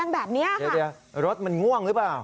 แบบนี้ค่ะเดี๋ยวรถมันง่วงหรือเปล่า